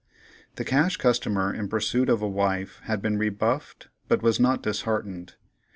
The Cash Customer in pursuit of a wife had been rebuffed, but was not disheartened.